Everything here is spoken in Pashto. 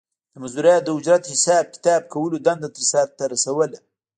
د مزدورانو د اجرت حساب کتاب کولو دنده سر ته رسوله